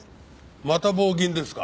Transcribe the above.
また棒銀ですか？